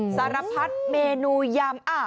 สารผัสเมนูหยำ